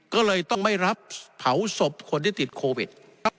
ก็เลยต้องไม่รับเผาศพคนที่ติดโควิด